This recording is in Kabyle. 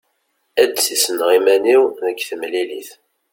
Ad d-ssisneɣ iman-iw deg temlilit.